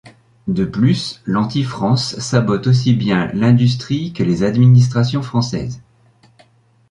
De plus, l'Anti-France sabote aussi bien l'industrie que les administrations françaises.